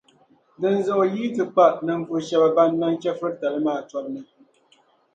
Dinzuɣu yi yi ti kpa ninvuɣu shɛba ban niŋ chεfuritali maa tobu ni